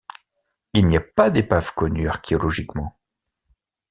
Il n'y a pas d'épave connus archéologiquement.